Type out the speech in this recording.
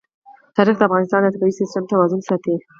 تاریخ د افغانستان د طبعي سیسټم توازن ساتي.